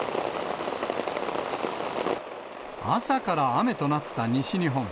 朝から雨となった西日本。